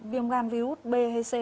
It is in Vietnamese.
viêm gan virus b hay c